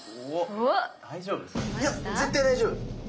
いや絶対大丈夫！